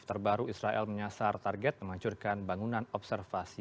terbaru israel menyasar target menghancurkan bangunan observasi